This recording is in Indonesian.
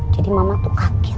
jadi mama tuh kaget